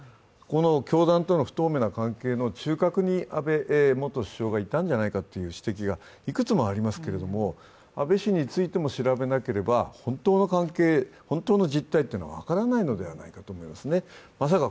教団との不透明な関係との中核に安倍元首相がいたんじゃないかという指摘がいくつもありますけれども、安倍氏についても調べなければ本当の関係、本当の実態は分からないのではないでしょうか。